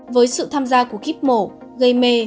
với sự tham gia của kíp mổ gây mê